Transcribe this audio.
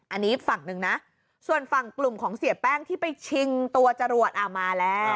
อันนี้ฝั่งหนึ่งนะส่วนฝั่งกลุ่มของเสียแป้งที่ไปชิงตัวจรวดมาแล้ว